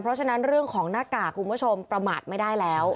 เพราะฉะนั้นเรื่องของหน้ากากคุณผู้ชมประมาทไม่ได้แล้ว